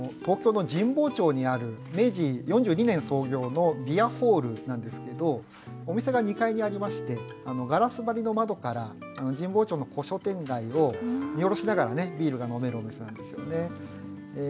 東京の神保町にある明治４２年創業のビアホールなんですけどお店が２階にありましてガラス張りの窓から神保町の古書店街を見下ろしながらねビールが飲めるお店なんですよね。